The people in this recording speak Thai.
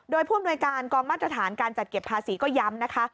โดยภารกิจกรรมแมพสถานการจัดเก็บภาษีก็ย้ำนะคะ